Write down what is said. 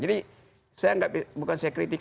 jadi saya anggap bukan saya kritik